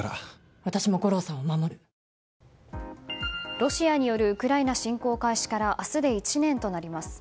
ロシアによるウクライナ侵攻開始から明日で１年となります。